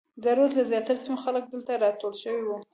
د رود له زیاترو سیمو خلک دلته راټول شوي وو.